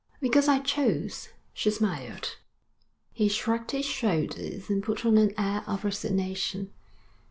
'Because I chose,' she smiled. He shrugged his shoulders and put on an air of resignation.